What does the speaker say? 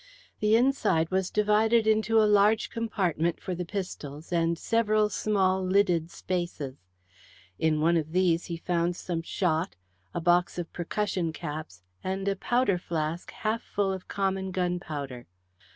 The inside was divided into a large compartment for the pistols and several small lidded spaces. In one of these he found some shot, a box of percussion caps, and a powder flask half full of common gunpowder.